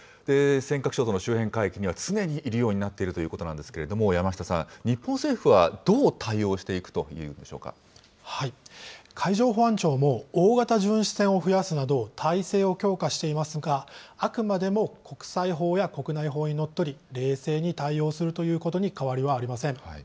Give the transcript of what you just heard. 尖閣諸島の周辺海域には常にいるようになっているということなんですけれども、山下さん、日本政府はどう対応していくということ海上保安庁も大型巡視船を増やすなど、体制を強化していますが、あくまでも国際法や国内法にのっとり、冷静に対応するということに変わりはありません。